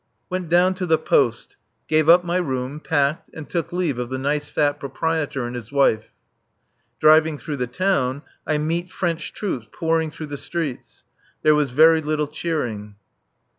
Went down to the "Poste." Gave up my room, packed and took leave of the nice fat propriétaire and his wife. Driving through the town, I meet French troops pouring through the streets. There was very little cheering.